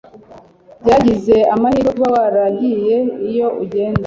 Byagize amahirwe kuba waragiye iyo ugenda